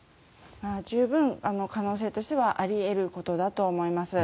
十分、可能性としてはあり得ることだと思います。